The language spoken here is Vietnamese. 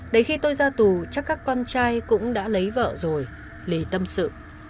đến khi tôi ra tù chắc các con trai cũng đã lấy vợ rồi lì tâm sự